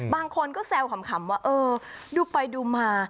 บางคนก็แซวขำว่าเออดูไปดูมา